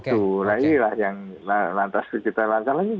nah inilah yang lantas kita lakukan